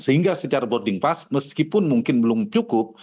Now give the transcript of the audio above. sehingga secara boarding pass meskipun mungkin belum cukup